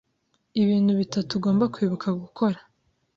Ibintu bitatu ugomba kwibuka gukora